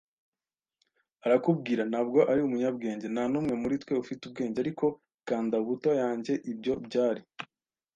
arakubwira; ntabwo ari umunyabwenge - ntanumwe muri twe ufite ubwenge. Ariko kanda buto yanjye! Ibyo byari